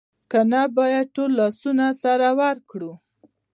که نه باید ټول لاسونه سره ورکړو